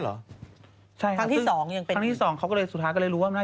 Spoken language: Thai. แล้วเขาบอกว่าแล้วคุณถามเขาว่า